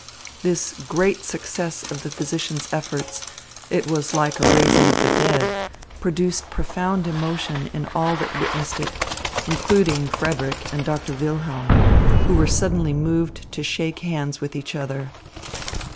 This great success of the physicians' efforts it was like a raising of the dead produced profound emotion in all that witnessed it, including Frederick and Doctor Wilhelm, who were suddenly moved to shake hands with each other.